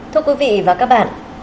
thưa quý vị và các bạn